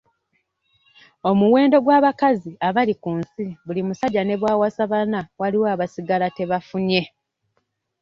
Omuwendo gw'abakazi abali ku nsi buli musajja ne bw'awasa bana waliwo abasigala tebafunye.